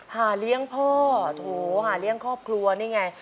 หาเลี้ยงพ่อโถหาเลี้ยงครอบครัวนี่ไง